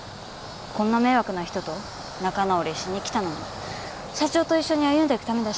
こんな迷惑な人と仲直りしに来たのも社長と一緒に歩んでいくためだし。